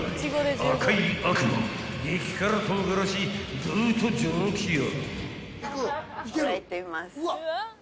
［赤い悪魔激辛唐辛子ブートジョロキア］